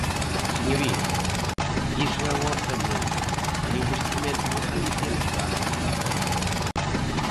Señoría, iso é o orzamento, o investimento de Galicia no Estado.